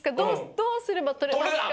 どうすればとれますか？」